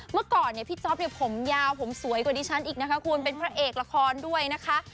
เมื่อก่อนเนี่ยพี่จ๊อปเนี่ยผมยาวผมสวยกว่าดิฉันอีกนะคะคุณเป็นพระเอกละครด้วยนะคะ